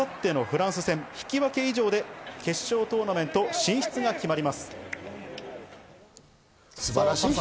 明後日のフランス戦、引き分け以上で決勝トーナメント進出が決まります。